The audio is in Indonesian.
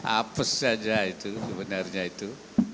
apes saja itu sebenarnya itu